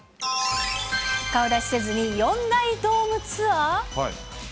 顔出しせずに４大ドームツアー？